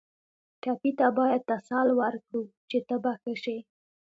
ټپي ته باید تسل ورکړو چې ته به ښه شې.